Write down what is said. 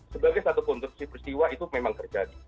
sebagai satu konstruksi peristiwa itu memang terjadi